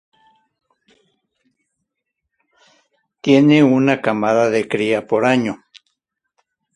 Tiene una camada de cría por año.